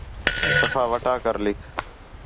صفحہ وَٹا کر لِکھ